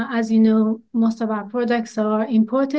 dan seperti yang anda tahu kebanyakan produk kita telah diimportasi